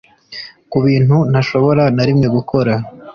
kubintu ntashobora na rimwe gukora